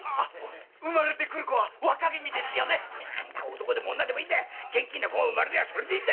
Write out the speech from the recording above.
男でも女でも元気な子が生まれりゃそれでいいんだよ！